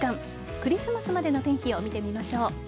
クリスマスまでの天気を見てみましょう。